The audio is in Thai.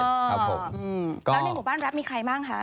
แล้วในหมู่บ้านแรปมีใครบ้างคะ